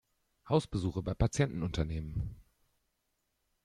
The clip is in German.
Hausbesuche bei Patienten unternehmen.